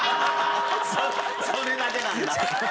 それだけなんだ！